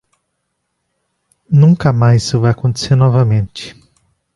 Nunca mais isso vai acontecer novamente.